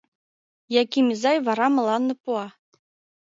Яким изай вара мыланна пуа.